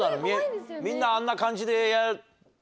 みんなあんな感じで。